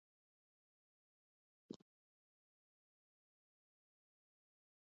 Ik preau dat der wat mis wie.